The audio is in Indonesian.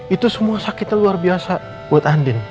itu semua sakitnya luar biasa buat andin